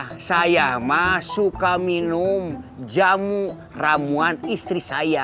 oh iya saya mang suka minum jamu ramuan istri saya